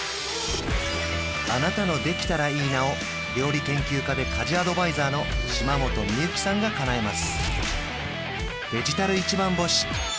あなたの「できたらいいな」を料理研究家で家事アドバイザーの島本美由紀さんがかなえます